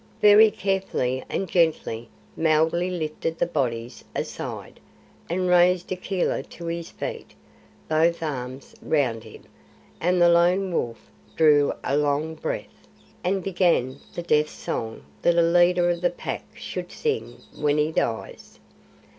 Very carefully and gently Mowgli lifted the bodies aside, and raised Akela to his feet, both arms round him, and the Lone Wolf drew a long breath, and began the Death Song that a leader of the Pack should sing when he dies.